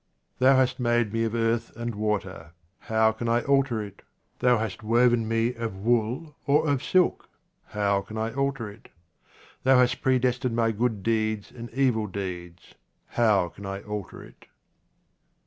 Thou hast made me of earth and water ; how can I alter it ? Thou hast woven me of wool or of silk ; how can I alter it ? Thou has pre destined my good deeds and evil deeds ; how can I alter it